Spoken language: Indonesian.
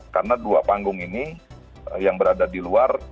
karena dua panggung ini yang berada di luar